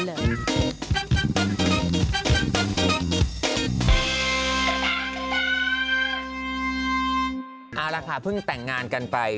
เอาล่ะค่ะเพิ่งแต่งงานกันไป